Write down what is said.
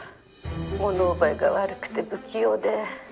「物覚えが悪くて不器用で」